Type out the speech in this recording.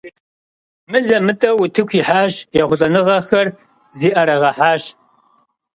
Мызэ-мытӀэу утыку ихьащ, ехъулӀэныгъэхэр зыӀэрагъэхьащ.